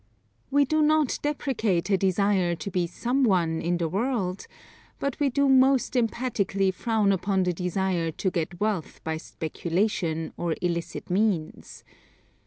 We do not deprecate a desire to be some one in the world, but we do most emphatically frown upon the desire to get wealth by speculation or illicit means.